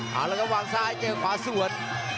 หาเราก็วางซ้ายเจอขวาส่วน